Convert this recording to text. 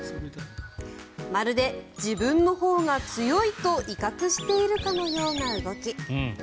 まるで自分のほうが強いと威嚇しているかのような動き。